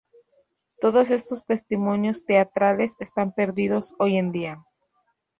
Todos estos testimonios teatrales están perdidos hoy en día.